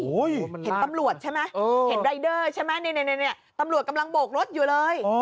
โอ้โหเห็นรายเดอร์ใช่ไหมตำรวจกำลังโบกรถอยู่เลย